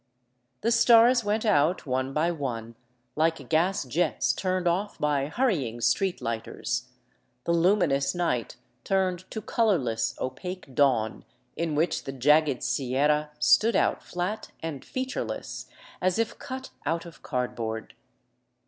The stars went out one by one, like gas jets turned off by hurrying <treet lighters ; the luminous night turned to colorless opaque dawn, in which the jagged Sierra stood out flat and featureless as if cut out of cardboard.